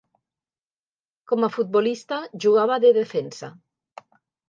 Com a futbolista, jugava de defensa.